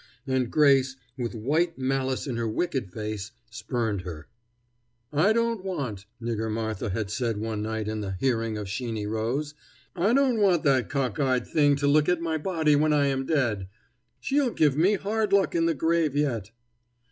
And Grace, with white malice in her wicked face, spurned her. "I don't want," Nigger Martha had said one night in the hearing of Sheeny Rose "I don't want that cock eyed thing to look at my body when I am dead. She'll give me hard luck in the grave yet."